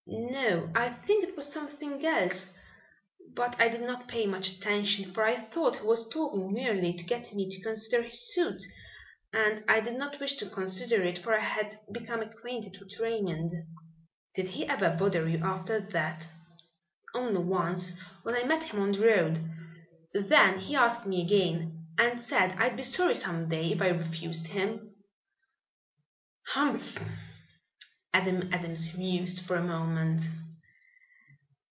"No, I think it was something else. But I did not pay much attention, for I thought he was talking merely to get me to consider his suit, and I did not wish to consider it, for I had become acquainted with Raymond." "Did he ever bother you after that?" "Only once, when I met him on the road. Then he asked me again, and said I'd be sorry some day if I refused him." "Humph!" Adam Adams mused for a moment.